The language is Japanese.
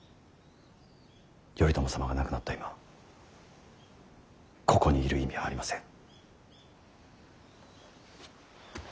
頼朝様が亡くなった今ここにいる意味はありません。